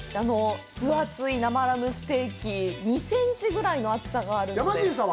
分厚い生ラムステーキ、２センチぐらいの厚さがあるんです。